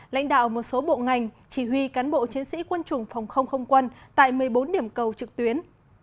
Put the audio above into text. lãnh đạo một số bộ ngành chỉ huy cán bộ chiến sĩ quân chủng phòng không không quân tại một mươi bốn điểm cầu trực tuyến